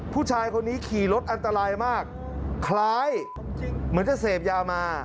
ผู้ชายคนนี้ขี่รถอันตรายมากคล้ายเหมือนจะเสพยามา